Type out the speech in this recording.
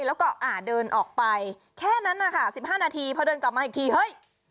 แล้วก็อ่าเดินออกไปแค่นั้นนะคะ๑๕นาทีพอเดินกลับมาอีกทีเฮ้ย